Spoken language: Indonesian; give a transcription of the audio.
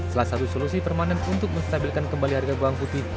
salah satu solusi permanen untuk menstabilkan kembali harga bawang putih